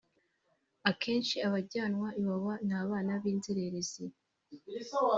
Akenshi abajyanwa Iwawa n’abana b’inzererezi